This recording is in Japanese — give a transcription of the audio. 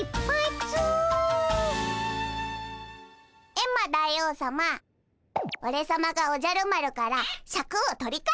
エンマ大王さまオレさまがおじゃる丸からシャクを取り返してやるぞ！